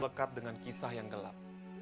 lekat dengan kisah yang gelap